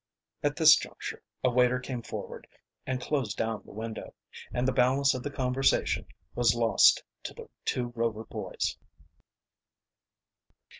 At this juncture a waiter came forward, and closed down the window, and the balance of the conversation was lost to the two Rover boys.